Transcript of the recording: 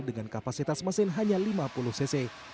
dengan kapasitas mesin hanya lima puluh cc